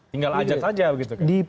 tinggal ajak saja begitu